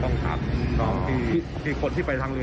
คือการเรือนี้ถ้าเกิดไม่เคยนั่งอยู่ริมหรือว่าอะไรอย่างนี้